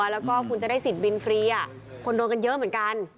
แล้วก็คุณจะได้สิทธิ์บินฟรีคนโดนกันเยอะเหมือนกัน